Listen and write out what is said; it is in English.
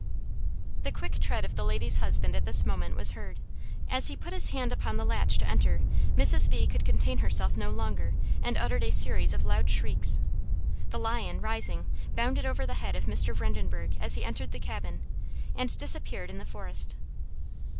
The quick tread of the lady's husband at this moment was heard; as he put his hand upon the latch to enter, Mrs. V. could contain herself no longer, and uttered a series of loud shrieks. The lion, rising, bounded over the head of Mr. Vredenbergh as he entered the cabin, and disappeared in the forest.